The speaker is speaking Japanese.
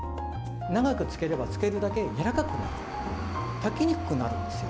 長くつければつけるだけやわらかくなる、炊きにくくなるんですよ。